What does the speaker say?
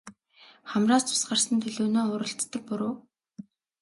Хамраас цус гарсан төлөөнөө уралцдаг буруу.